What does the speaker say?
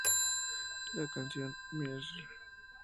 La canción "Mrs.